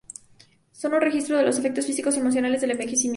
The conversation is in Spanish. Son un registro de los efectos físicos y emocionales del envejecimiento.